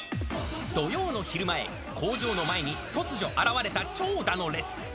土曜の昼前、工場の前に突如現れた長蛇の列。